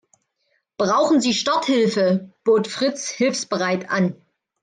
Brauchen Sie Starthilfe?, bot Fritz hilfsbereit an.